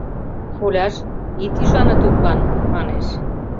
— Шоляш, ит ӱшане тудлан, — манеш.